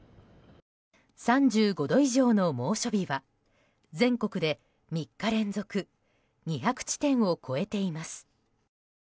３５度以上の猛暑日は全国で３日連続２００地点を超えています。